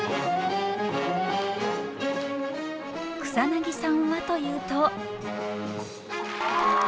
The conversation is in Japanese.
草さんはというと。